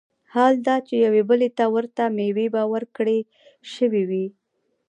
حال دا چي يوې بلي ته ورته مېوې به وركړى شوې وي